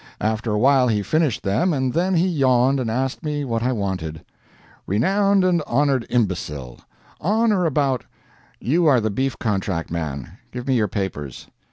After a while he finished them, and then he yawned and asked me what I wanted. "Renowned and honored Imbecile: on or about " "You are the beef contract man. Give me your papers."